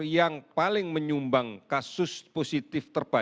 yang paling menyumbang kasus positif positif adalah kasus pendidikan